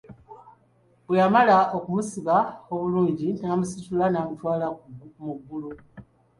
Bwe yamala okumusiba obulungi, n'amusitula n'amutwala mu ggulu.